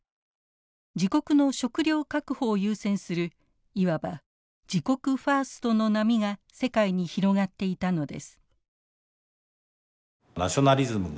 自国の食料確保を優先するいわば自国ファーストの波が世界に広がっていたのです。